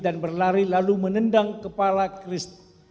dan berlari lalu menendang kepala chris